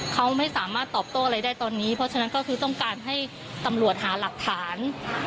เขาไม่สามารถตอบโต้อะไรได้ตอนนี้เพราะฉะนั้นก็คือต้องการให้ตำรวจหาหลักฐาน